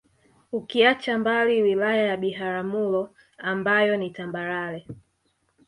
Ukiacha mbali Wilaya ya Biharamulo ambayo ni tambarare